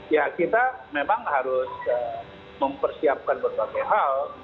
ya kita memang harus mempersiapkan berbagai hal